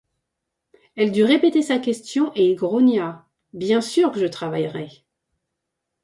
Elle dut répéter sa question, et il grogna: — Bien sûr que je travaillerai.